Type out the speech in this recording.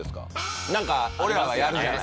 なんか俺らはやるじゃない。